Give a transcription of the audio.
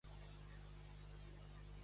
Va acabar sent rei aquest?